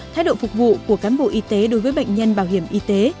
thái độ phục vụ của cán bộ y tế đối với bệnh nhân bảo hiểm y tế